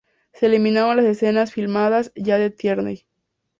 Se eliminaron las escenas filmadas ya de Tierney.